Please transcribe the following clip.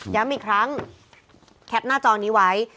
ย้ำอีกครั้งแคปหน้าจอนี้ไว้